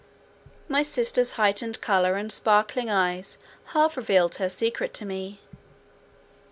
My sister's heightened colour and sparkling eyes half revealed her secret to me.